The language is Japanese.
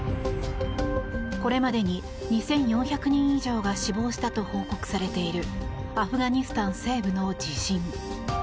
これまでに２４００人以上が死亡したと報告されているアフガニスタン西部の地震。